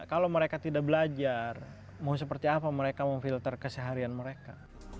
kalau mereka tidak belajar mau seperti apa mereka memfilter keseharian mereka